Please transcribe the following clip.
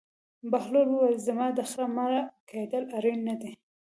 بهلول وویل: زما د خر مړه کېدل اړین نه دي.